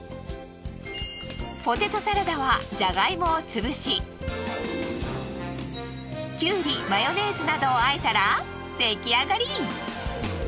ポテトサラダはジャガイモをつぶしきゅうりマヨネーズなどを和えたら出来上がり。